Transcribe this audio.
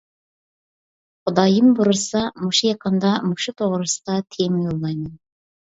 خۇدايىم بۇرىسا مۇشۇ يېقىندا مۇشۇ توغرىسىدا تېما يوللايمەن.